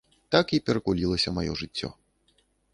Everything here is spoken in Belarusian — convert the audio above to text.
Так і перакулілася маё жыццё.